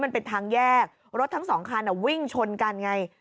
มันเป็นทางแยกรถทั้งสองคันวิ่งชนกันไง